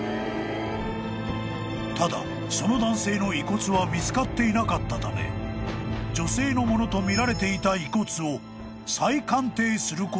［ただその男性の遺骨は見つかっていなかったため女性のものとみられていた］